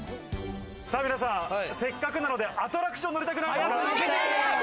さあ皆さん、せっかくなのでアトラクション乗りたくないですか？